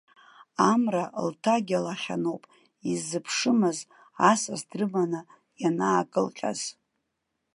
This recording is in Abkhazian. Амра лҭагьалахьаноуп иззыԥшымыз асас дрыманы ианаакылҟьаз.